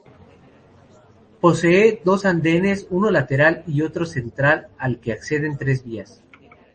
Posee dos andenes, uno lateral y otro central al que acceden tres vías.